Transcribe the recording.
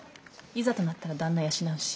いざとなったらダンナ養うし。